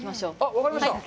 分かりました。